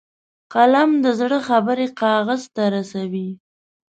قلم د زړه خبرې کاغذ ته رسوي